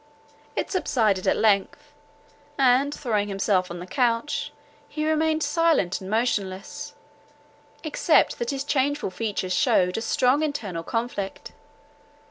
It subsided at length; and, throwing himself on the couch, he remained silent and motionless, except that his changeful features shewed a strong internal conflict.